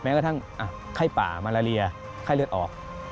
กระทั่งไข้ป่ามาลาเลียไข้เลือดออก